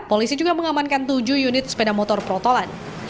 polisi juga mengamankan tujuh unit sepeda motor protolan